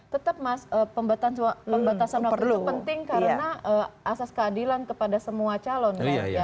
tetap mas pembatasan waktu itu penting karena asas keadilan kepada semua calon